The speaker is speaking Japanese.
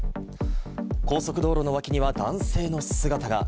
高速道路の脇には男性の姿が。